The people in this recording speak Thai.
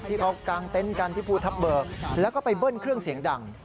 กลางเต็นต์กันที่ภูทับเบิกแล้วก็ไปเบิ้ลเครื่องเสียงดัง